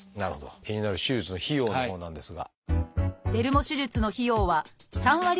気になる手術の費用のほうなんですが。